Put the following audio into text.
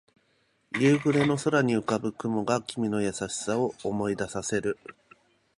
夕暮れの空に浮かぶ雲が君の優しさを思い出させる